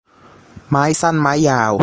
ไม้สั้นไม้ยาว